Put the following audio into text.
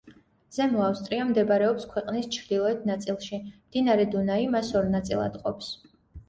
ზემო ავსტრია მდებარეობს ქვეყნის ჩრდილოეთ ნაწილში, მდინარე დუნაი მას ორ ნაწილად ჰყოფს.